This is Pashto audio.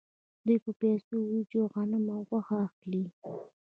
دوی په پیسو وریجې او غنم او غوښه اخلي